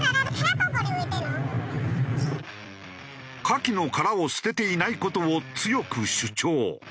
カキの殻を捨てていない事を強く主張。